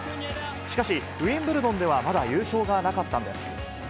しかし、ウィンブルドンではまだ優勝がなかったんです。